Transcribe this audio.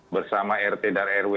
bersama rt dan rw